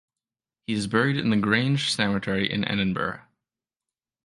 He is buried in the Grange cemetery in Edinburgh.